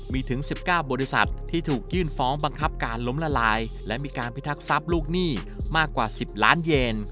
มีถึง๑๙บริษัทที่ถูกยื่นฟ้องบังคับการล้มละลายและมีการพิทักษัพลูกหนี้มากกว่า๑๐ล้านเยน